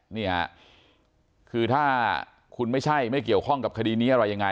นี่ค่ะคือถ้าคุณไม่ใช่ไม่เกี่ยวข้องกับคดีนี้อะไรยังไง